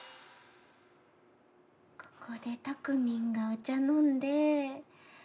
ここでたくみんがお茶飲んで。